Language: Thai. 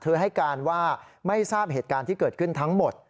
ให้การว่าไม่ทราบเหตุการณ์ที่เกิดขึ้นทั้งหมด